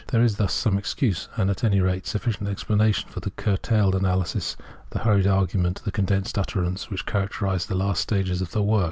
There is thus some excuse, and at any rate sufficient explanation, for the curtailed analysis, the hurried argument, the con densed utterance, which characterise these last stages of the work.